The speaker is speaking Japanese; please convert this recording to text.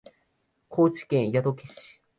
高知県宿毛市